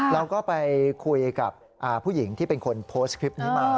เราก็ไปคุยกับผู้หญิงที่เป็นคนโพสต์คลิปนี้มา